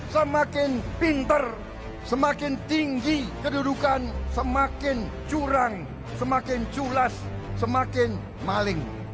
semakin pinter semakin tinggi kedudukan semakin curang semakin culas semakin maling